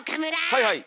はいはい。